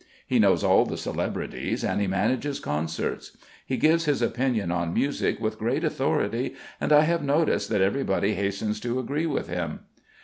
He knows all the celebrities, and he manages concerts. He gives his opinion on music with great authority and I have noticed that everybody hastens to agree with him.